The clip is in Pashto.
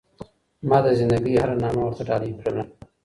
ما د زنده ګۍ هره نامـــه ورتـــه ډالۍ كړله